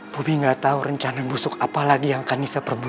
bobi gak tau rencana busuk apa lagi yang akan bisa perbuluh